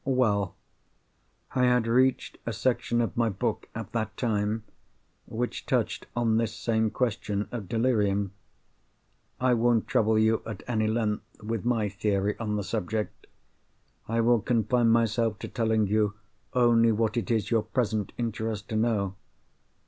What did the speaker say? "Well, I had reached a section of my book, at that time, which touched on this same question of delirium. I won't trouble you at any length with my theory on the subject—I will confine myself to telling you only what it is your present interest to know.